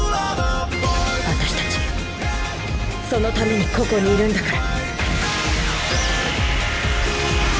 私たちそのためにここにいるんだから。